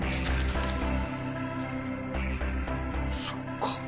そっか。